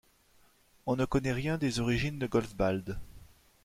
On ne connaît rien des origines de Golzbald.